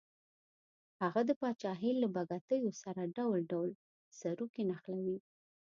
هغه د پاچاهۍ له بګتیو سره ډول ډول سروکي نښلوي.